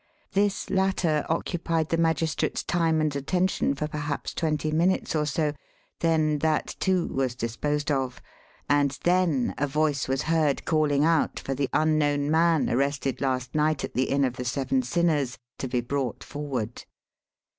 This latter occupied the magistrate's time and attention for perhaps twenty minutes or so, then that, too, was disposed of; and then a voice was heard calling out for the unknown man arrested last night at the Inn of the Seven Sinners to be brought forward.